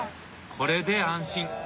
これで安心！